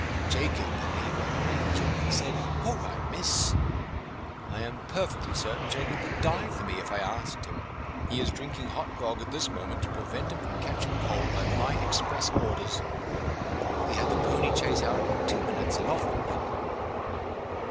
Jacob behaved like an angel. He said, 'All right, miss.' I am perfectly certain Jacob would die for me if I asked him. He is drinking hot grog at this moment, to prevent him from catching cold, by my express orders. He had the pony chaise out in two minutes; and off we went.